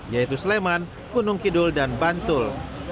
yaitu sleman gunung kidul dan bantul